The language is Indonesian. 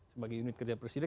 sebagai unit kerja presiden